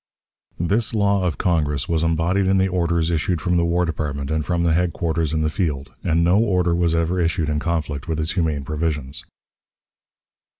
This law of Congress was embodied in the orders issued from the War Department and from the headquarters in the field, and no order was ever issued in conflict with its humane provisions.